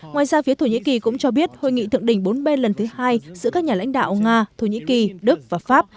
ngoài ra phía thổ nhĩ kỳ cũng cho biết hội nghị thượng đỉnh bốn bên lần thứ hai giữa các nhà lãnh đạo nga thổ nhĩ kỳ đức và pháp